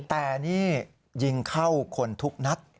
แต่นี่ยิงเข้าคนทุกนัด